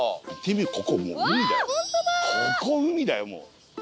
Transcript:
ここ海だよもう。